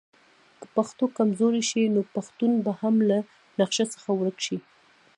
که پښتو کمزورې شي نو پښتون به هم له نقشه څخه ورک شي.